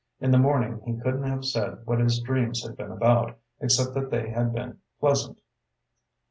In the morning he couldn't have said what his dreams had been about, except that they had been pleasant.